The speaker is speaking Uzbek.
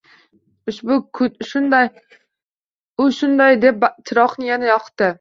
U shunday deb chiroqni yana yoqdi.